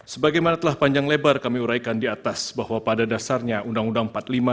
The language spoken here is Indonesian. sebagaimana telah panjang lebar kami uraikan di atas bahwa pada dasarnya undang undang empat puluh lima